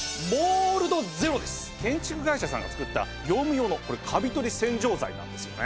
建築会社さんが作った業務用のカビ取り洗浄剤なんですよね。